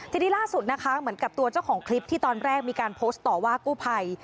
ทีนี้ล่าสุดนะคะเหมือนกับตัวเจ้าของคลิปที่ตอนแรกมีการโพสต์ต่อว่ากู้ภัย